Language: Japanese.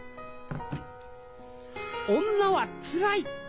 女はつらい。